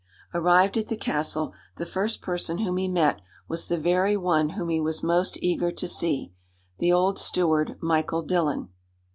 Arrived at the castle, the first person whom he met was the very one whom he was most eager to see the old steward, Michael Dillon.